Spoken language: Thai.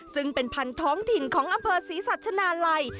ซึ่งเป็นพันธุ์ท้องถิ่นของอำเภอศรีสัชนาลัย